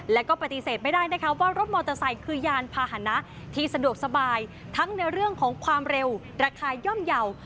และก็ปฏิเสธไม่ได้นะคะว่ารถมอเตอร์ไซค์คือยานพาหนะที่สะดวกสบายทั้งในเรื่องของความเร็วราคาย่อมเยาว์